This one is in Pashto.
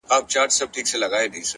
د تجربې ارزښت په عمل کې ښکاري.!